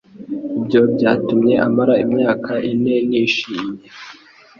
Ibyo byatumye mara imyaka ine nishimye.